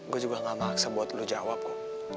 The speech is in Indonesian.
gue juga ga maksa buat lo jawab kok